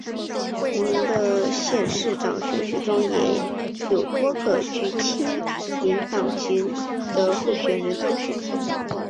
同年的县市长选举中也有多个具亲民党籍的候选人当选。